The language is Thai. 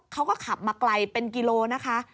เขาก็ขับมาไกลเป็นกิโลนะคะ